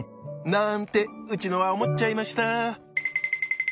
なんてウチノは思っちゃいました。